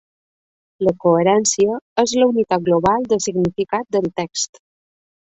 La coherència és la unitat global de significat del text.